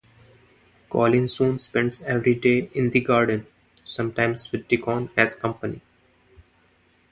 Colin soon spends every day in the garden, sometimes with Dickon as company.